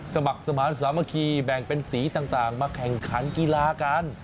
สมัครสมาธิสามัคคีแบ่งเป็นสีต่างมาแข่งขันกีฬากัน